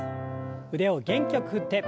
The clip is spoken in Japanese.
腕を元気よく振って。